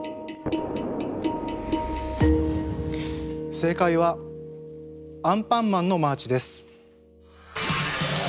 正解は「アンパンマンのマーチ」です。